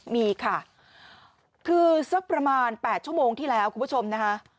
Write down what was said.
มีค่ะคือสักประมาณ๘ชั่วโมงที่แล้วคุณผู้ชมนะคะ